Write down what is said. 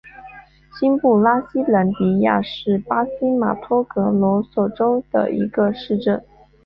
新布拉西兰迪亚是巴西马托格罗索州的一个市镇。